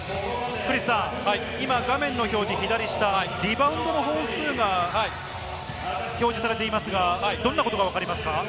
クリスさん、今画面の表示左下、リバウンドの本数が表示されていますが、どんなことがわかりますか？